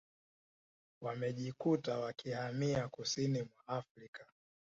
wamejikuta wakihamia kusini mwa Afrika